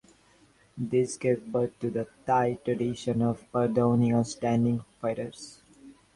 This gave birth to the Thai tradition of pardoning outstanding fighters.